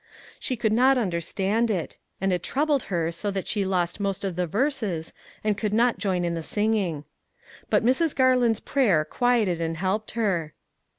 She could not understand it, and it troubled her so that she lost most of the verses and could not join in the singing. But Mrs. Garland's prayer quieted and helped her.